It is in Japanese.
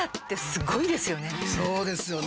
そうですよね。